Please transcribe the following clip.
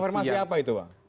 pengkonfirmasi apa itu pak